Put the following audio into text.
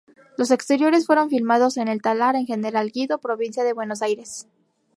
Los exteriores fueron filmados en El Talar, en General Guido, provincia de Buenos Aires.